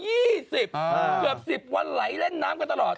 เกือบ๑๐วันไหลเล่นน้ำกันตลอด